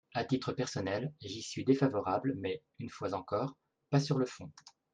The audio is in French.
À titre personnel, j’y suis défavorable mais, une fois encore, pas sur le fond.